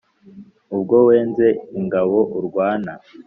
ubwo wenze ingabo urwana